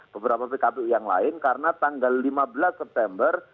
beberapa pkpu yang lain karena tanggal lima belas september